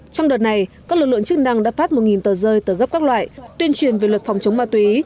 trong đợt này các lực lượng chức năng đã phát một tờ rơi tờ gấp các loại tuyên truyền về luật phòng chống ma túy